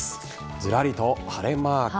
ずらりと晴れマーク。